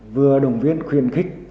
vừa đồng viên khuyên khích